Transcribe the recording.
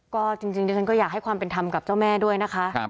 ก็จริงดิฉันก็อยากให้ความเป็นธรรมกับเจ้าแม่ด้วยนะคะ